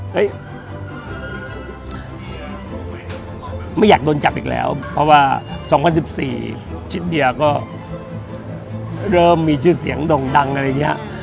ไม่อยากโดนจับอีกแล้วเพราะว่า๒๐๑๔ชิดเดียก็เริ่มมีชื่อเสียงด่งดังอะไรอย่างนี้